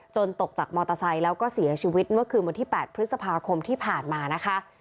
ตกจากมอเตอร์ไซค์แล้วก็เสียชีวิตเมื่อคืนวันที่๘พฤษภาคมที่ผ่านมานะคะ